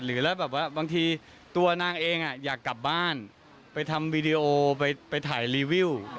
หรือแล้วแบบว่าบางทีตัวนางเองอยากกลับบ้านไปทำวีดีโอไปถ่ายรีวิว